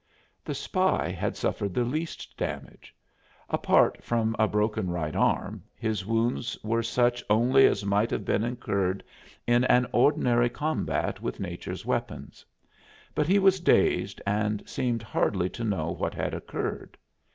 The spy had suffered the least damage. Apart from a broken right arm, his wounds were such only as might have been incurred in an ordinary combat with nature's weapons. But he was dazed and seemed hardly to know what had occurred.